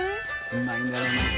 うまいんだろうな。